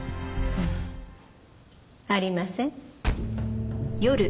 ありません。